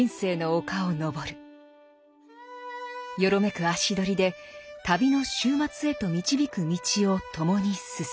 よろめく足取りで旅の終末へと導く道を共に進む。